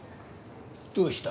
どうした？